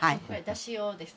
だし用ですね。